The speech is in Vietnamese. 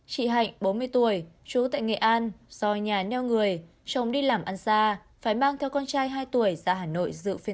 chị hạnh bốn mươi tuổi trú tại nghệ an do nhà nheo người chồng đi làm ăn xa phải mang theo con trai hai tuổi ra hà nội